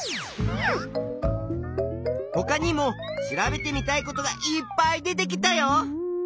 ほかにも調べてみたいことがいっぱい出てきたよ。